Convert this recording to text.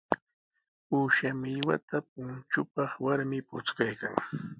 Uusha millwata punchupaq warmi puchkaykan.